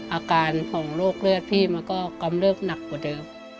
อาการของโรคเลือดพี่มันก็กำเริบหนักกว่าเดิม